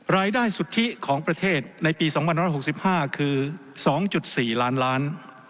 รายได้สุทธิของประเทศในปี๒๑๖๕คือ๒๔ล้านล้าน